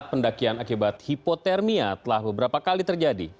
pendakian akibat hipotermia telah beberapa kali terjadi